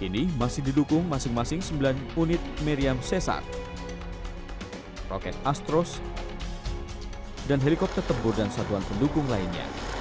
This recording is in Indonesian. ini masih didukung masing masing sembilan unit meriam sesar roket astros dan helikopter tempur dan satuan pendukung lainnya